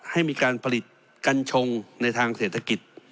ให้มีการผลิตกัญชงในทางเศรษฐกิจ